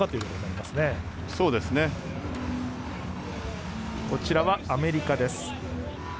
こちらは、アメリカです。